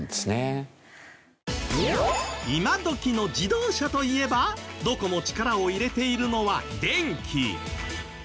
今どきの自動車といえばどこも力を入れているのは電気。